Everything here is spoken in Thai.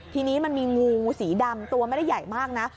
ทีนี้มันมีงูสีดำตัวไม่ได้ใหญ่มากนะ